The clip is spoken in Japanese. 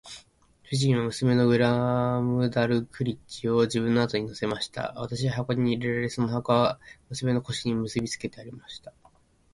主人は娘のグラムダルクリッチを自分の後に乗せました。私は箱に入れられ、その箱は娘の腰に結びつけてありました。